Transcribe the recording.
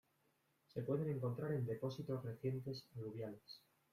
Se puede encontrar en depósitos recientes aluviales.